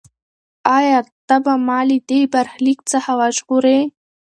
ایا ته به ما له دې برخلیک څخه وژغورې؟